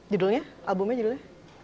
judulnya albumnya judulnya